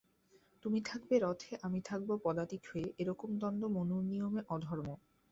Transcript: তুমি থাকবে রথে, আমি থাকব পদাতিক হয়ে– এ-রকম দ্বন্দ্ব মনুর নিয়মে অধর্ম।